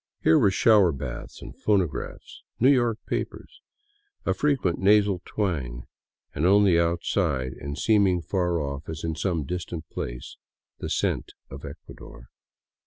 Here were shower baths and phonographs, New York papers, a frequent nasal twang, and only outside and seeming far off as in some distant place, the scent of Ecuador.